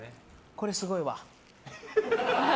これ、すごいわ。